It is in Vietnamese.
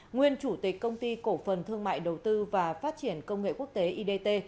nguyên chủ tịch công ty cổ phần thương mại đầu tư và phát triển công nghệ quốc tế idt